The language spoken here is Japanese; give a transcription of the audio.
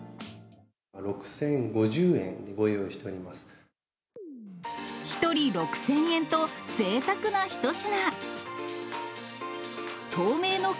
６０５０円でご用意しており１人６０００円と、ぜいたくな一品。